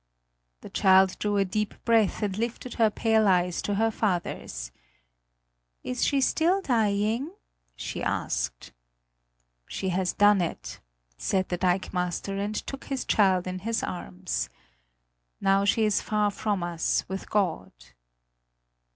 The child drew a deep breath and lifted her pale eyes to her father's. "Is she still dying?" she asked. "She has done it!" said the dikemaster, and took his child in his arms. "Now she is far from us with God."